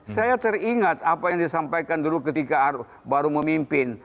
saya teringat apa yang disampaikan dulu ketika baru memimpin